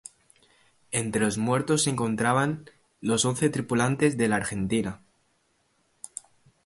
Entre los muertos se encontraban los once tripulantes de "La Argentina".